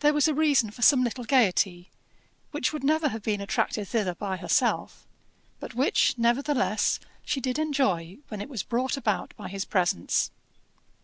There was a reason for some little gaiety, which would never have been attracted thither by herself, but which, nevertheless, she did enjoy when it was brought about by his presence.